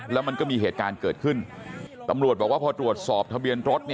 แล้วมันก็มีเหตุการณ์เกิดขึ้นตำรวจบอกว่าพอตรวจสอบทะเบียนรถ